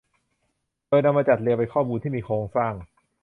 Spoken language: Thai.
โดยนำมาจัดเรียงเป็นข้อมูลที่มีโครงสร้าง